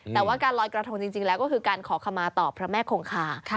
แต่ว่าการลอยกระทงจริงแล้วก็คือการขอขมาต่อพระแม่คงคา